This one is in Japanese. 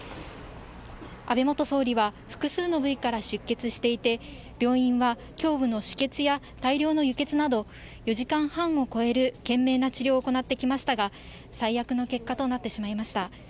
安倍元総理は、複数の部位から出血していて、病院は胸部の止血や大量の輸血など、４時間半を超える懸命な治療を行ってきましたが、最悪の結果となってしまいました。